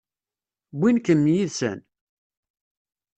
Wwin-kem yid-sen?